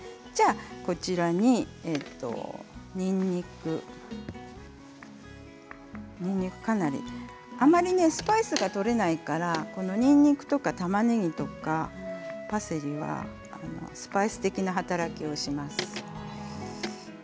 こちらににんにくあまりスパイスが取れないからにんにくとかたまねぎとかパセリはスパイス的な働きをします。